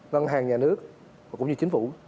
ngân hàng nhà nước cũng như chính phủ